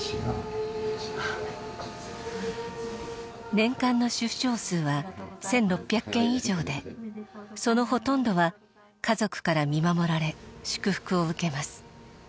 年間の出生数は１６００件以上でそのほとんどは家族から見守られ祝福を受けます。